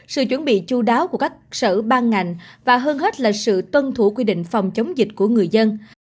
sự chuẩn bị chú đáo của các sở ban ngành và hơn hết là sự tuân thủ quy định phòng chống dịch của người dân